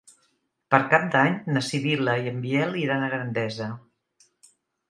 Per Cap d'Any na Sibil·la i en Biel iran a Gandesa.